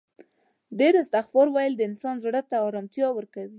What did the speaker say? ډیر استغفار ویل د انسان زړه ته آرامتیا ورکوي